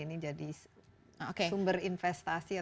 ini cupang yang membuat kita tampil ya